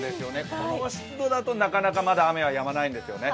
この湿度だと、なかなか雨はやまないですよね。